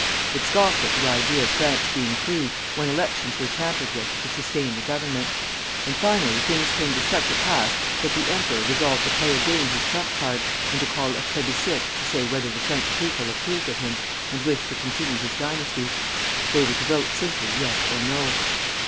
It scoffed at the idea of France being free when elections were tampered with to sustain the Government; and finally things came to such a pass that the emperor resolved to play again his tromp card, and to call a plébiscite to say whether the French people approved of him and wished to continue his dynasty. They were to vote simply Yes or No.